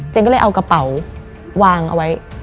ก็เลยเอากระเป๋าวางเอาไว้